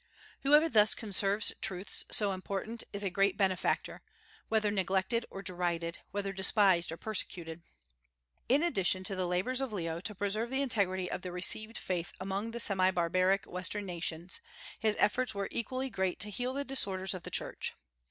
Whoever thus conserves truths so important is a great benefactor, whether neglected or derided, whether despised or persecuted. In addition to the labors of Leo to preserve the integrity of the received faith among the semi barbaric western nations, his efforts were equally great to heal the disorders of the Church.